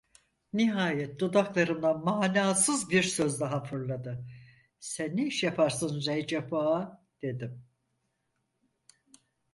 Nihayet dudaklarımdan manasız bir söz daha fırladı: "Sen ne iş yaparsın Recep Ağa?" dedim.